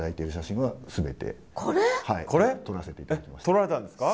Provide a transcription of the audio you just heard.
撮られたんですか？